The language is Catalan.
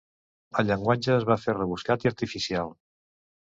El llenguatge es va fer rebuscat i artificial.